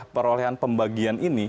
perolehan pembagian ini